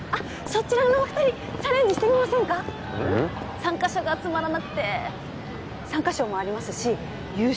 参加者が集まらなくて参加賞もありますし優勝